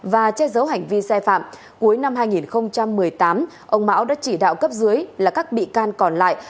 và che giấu hành vi sai phạm cuối năm hai nghìn một mươi tám ông mão đã chỉ đạo cấp dưới là các bị can còn lại